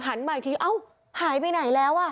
หันมาอีกทีอ้าวหายไปไหนแล้ว